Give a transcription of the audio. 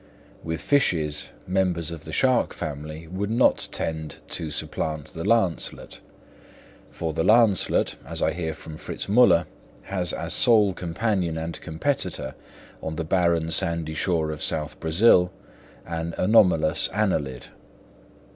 With fishes, members of the shark family would not tend to supplant the lancelet; for the lancelet, as I hear from Fritz Müller, has as sole companion and competitor on the barren sandy shore of South Brazil, an anomalous annelid.